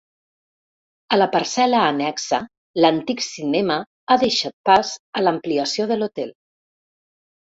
A la parcel·la annexa, l'antic cinema ha deixat pas a l'ampliació de l'hotel.